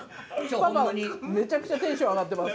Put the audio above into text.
めちゃくちゃテンション上がってます。